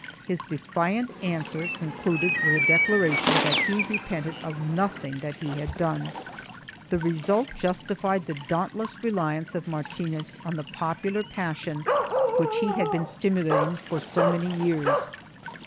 His defiant answer concluded with a declaration that he repented of nothing that he had done.1 The result justified the dauntless reliance of Martinez on the popular passion which he had been stimulating for so many years.